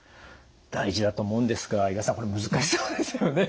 大事だと思うんですが岩田さんこれ難しそうですよね。